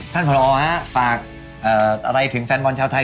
ท่านผอฝากอะไรถึงแฟนบอลชาวไทย